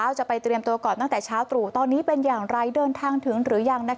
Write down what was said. จะไปเตรียมตัวก่อนตั้งแต่เช้าตรู่ตอนนี้เป็นอย่างไรเดินทางถึงหรือยัง